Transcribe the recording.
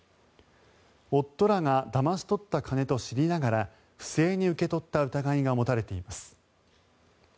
夫らがだまし取った金と知りながら不正に受け取った疑いが持たれています。